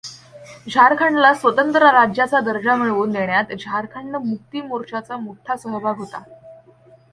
झारखंडला स्वतंत्र राज्याचा दर्जा मिळवून देण्यात झारखंड मुक्ती मोर्चाचा मोठा सहभाग होता.